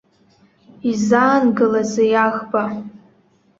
Изаангылазеи аӷба?